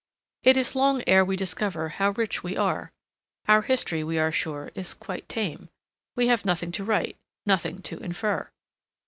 It is long ere we discover how rich we are. Our history, we are sure, is quite tame: we have nothing to write, nothing to infer.